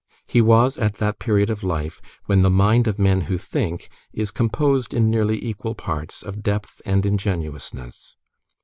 He was at that period of life when the mind of men who think is composed, in nearly equal parts, of depth and ingenuousness.